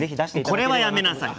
これはやめなさい。